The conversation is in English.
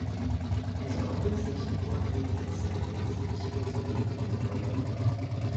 As compensation for her year's service, she was paid one dollar.